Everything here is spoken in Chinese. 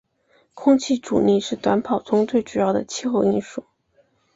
空气阻力是短跑中最主要的气候因素。